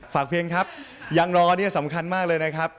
ฝากเพลงครับยังรอเนี่ยสำคัญมากเลยนะครับ